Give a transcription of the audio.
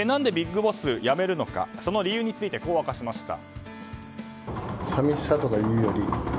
何でＢＩＧＢＯＳＳをやめるのか、その理由についてこう明かしました。